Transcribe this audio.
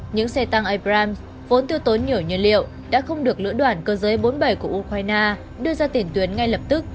những xe tăng ipram vốn tiêu tốn nhiều nhiên liệu đã không được lưỡi đoạn cơ giới bốn mươi bảy của ukraine đưa ra tiển tuyến ngay lập tức